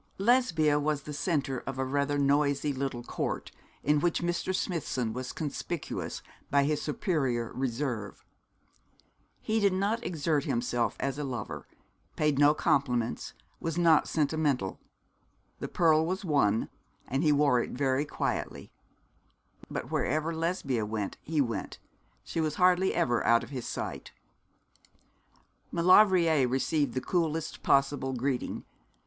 Lesbia was the centre of a rather noisy little court, in which Mr. Smithson was conspicuous by his superior reserve. He did not exert himself as a lover, paid no compliments, was not sentimental. The pearl was won, and he wore it very quietly; but wherever Lesbia went he went; she was hardly ever out of his sight. Maulevrier received the coolest possible greeting.